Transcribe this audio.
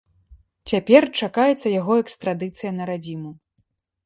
Цяпер чакаецца яго экстрадыцыя на радзіму.